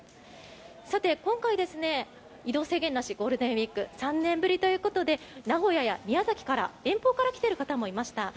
さて今回移動制限なしゴールデンウィーク３年ぶりということで名古屋や宮崎から遠方から来ている方もいました。